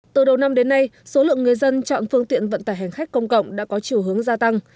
từ đầu năm đến nay số lượng người dân chọn phương tiện vận tải hành khách công cộng đã có chiều hướng gia tăng